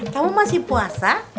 kamu masih puasa